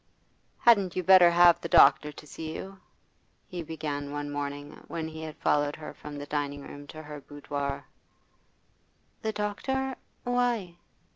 'Hadn't you better have the doctor to see you?' he began one morning when he had followed her from the dining room to her boudoir. 'The doctor? Why?